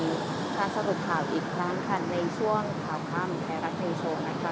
การสร้างประสบความอีกครั้งค่ะในช่วงข่าวคล้ามไทยรัฐไทยโชว์นะคะ